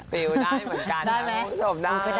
ฟิลได้เหมือนกันนะคุณผู้ชม